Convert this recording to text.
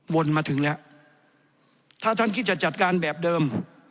วนมาถึงแล้วถ้าท่านคิดจะจัดการแบบเดิม